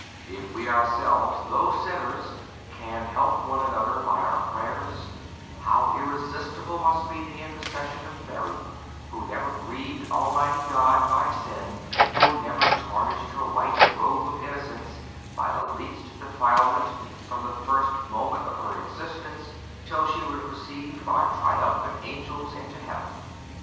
If we ourselves, though sinners, can help one another by our prayers, how irresistible must be the intercession of Mary, who never grieved Almighty God by sin, who never tarnished her white robe of innocence by the least defilement, from the first moment of her existence till she was received by triumphant angels into heaven.